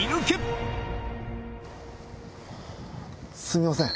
すみません